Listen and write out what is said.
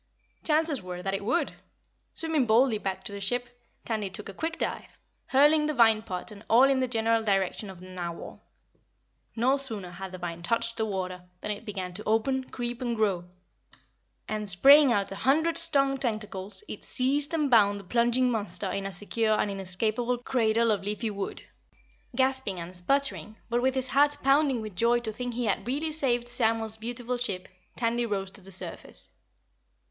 The chances were that it would. Swimming boldly back to the ship, Tandy took a quick dive, hurling the vine pot and all in the general direction of the Narwhal. No sooner had the vine touched the water than it began to open, creep and grow and, spraying out a hundred strong tentacles, it seized and bound the plunging monster in a secure and inescapable cradle of leafy wood. Gasping and sputtering, but with his heart pounding with joy to think he had really saved Samuel's beautiful ship, Tandy rose to the surface.